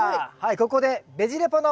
ここでおベジ・レポだ！